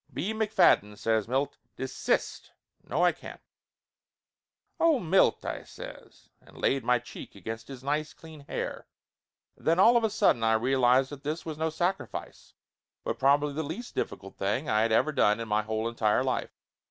"B. McFadden," says Milt, "desist! No, I can't!" "Oh, Milt !" I says, and laid my cheek against his nice clean hair, and then all of a sudden I realized that this was no sacrifice, but probably the least difficult thing I had ever done in my whole entire life.